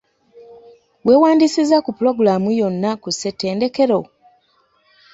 Weewandiisizza ku pulogulaamu yonna ku ssettendekero?